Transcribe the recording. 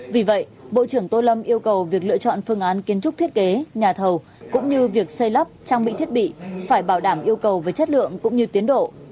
vì vậy bộ trưởng tô lâm yêu cầu việc lựa chọn phương án kiến trúc thiết kế nhà thầu cũng như việc xây lắp trang bị thiết bị phải bảo đảm yêu cầu về chất lượng cũng như tiến độ